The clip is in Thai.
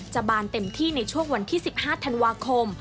บานเต็มที่ในช่วงวันที่๑๕ธันวาคม